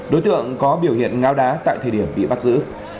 đối tượng có biểu hiện ngáo đá tại thời điểm bị bắt giữ